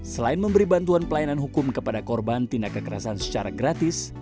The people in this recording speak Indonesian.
selain memberi bantuan pelayanan hukum kepada korban tindak kekerasan secara gratis